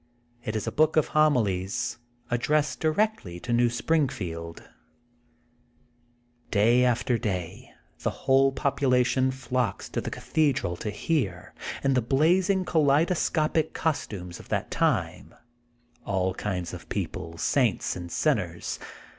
It is a book of homilies, addressed directly to New Springfield. Day THE GOLDEN BOOK OF SPRINGFIELD 21 after day th^ whole population flocks to the cathedral to hear, in the blazing kaleidoscopic costumes of that time, — ^all kmds of peoplci saints and sinners.